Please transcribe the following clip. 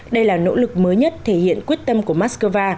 đây là nỗ lực mới nhất thể hiện quyết tâm của moscow